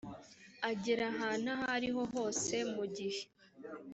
agera ahantu aho ari ho hose mu gihe